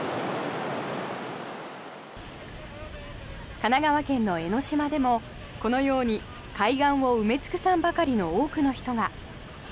神奈川県の江の島でもこのように海岸を埋め尽くさんばかりの多くの人が。